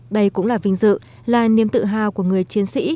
đây cũng là vinh dự là niềm tự hào của người chiến sĩ